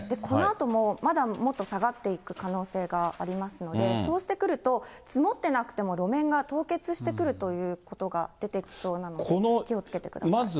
このあとも、まだもっと下がっていく可能性がありますので、そうしてくると、積もってなくても路面が凍結してくるということが出てきそうなので、気をつけてください。